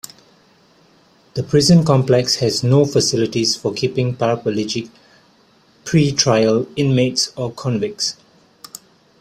The prison complex has no facilities for keeping paraplegic pre-trial inmates or convicts.